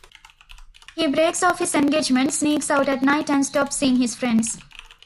He breaks off his engagement, sneaks out at night and stops seeing his friends.